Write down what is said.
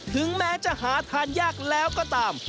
ถึงแม้จะหาทานยากแล้วก็ตาม